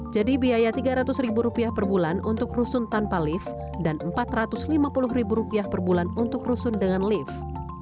jadi biaya tiga ratus ribu rupiah per bulan untuk rusun tanpa lift dan empat ratus lima puluh ribu rupiah per bulan untuk rusun dengan lift